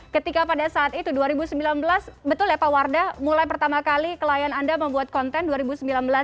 ketika pada saat itu dua ribu sembilan belas betul ya pak wardah mulai pertama kali klien anda membuat konten dua ribu sembilan belas